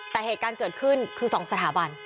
แต่เหตุการณ์เกิดขึ้นคือ๒สถาบัน